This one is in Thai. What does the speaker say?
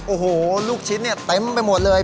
โอ้โหลูกชิ้นเนี่ยเต็มไปหมดเลย